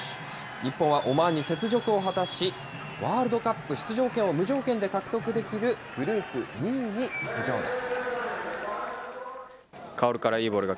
日本はオマーンに雪辱を果たし、ワールドカップ出場権を無条件で獲得できるグループ２位に浮上です。